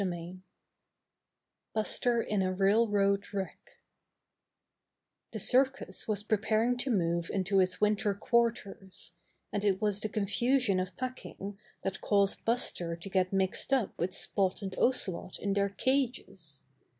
STORY XI Buster in a Railroad Wreck The circus was preparing to move into its winter quarters, and it was the confusion of packing that caused Buster to get mixed up with Spot and Ocelot in their cages.